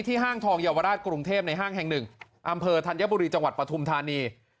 ห้างทองเยาวราชกรุงเทพในห้างแห่งหนึ่งอำเภอธัญบุรีจังหวัดปฐุมธานี